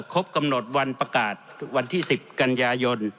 ครบกำหนดวันประกาศวันที่๑๐กันยายน